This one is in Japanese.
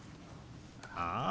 ああ。